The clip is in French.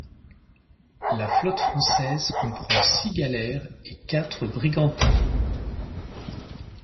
La flotte française comprend six galères et quatre brigantins.